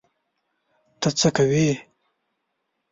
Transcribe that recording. ته څه کوې؟